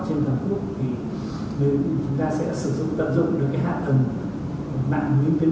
chúng ta sẽ sử dụng tận dụng được hạn ẩn mạng biến thông